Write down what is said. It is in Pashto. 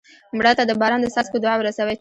مړه ته د باران د څاڅکو دعا ورسوې